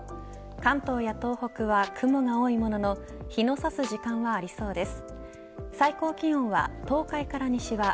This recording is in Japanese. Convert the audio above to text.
関東や東北は雲が多いものの日の差す時間はありそうです。